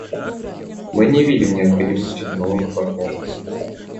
Мы не видим необходимости в новых партнерствах.